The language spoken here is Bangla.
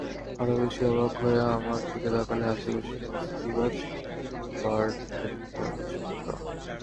আরও বেশি অবাক হয়ে আমার দিকে তাকাল হাসিখুশি মস্তিবাজ বার টেন্ডার ছোকরা।